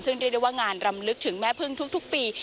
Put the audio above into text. ซึ่งเรียกได้ว่างานรำลึกถึงแม่พึ่งทุกปี